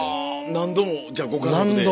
何度もじゃあご家族で？